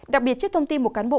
đặc biệt trước thông tin một cán bộ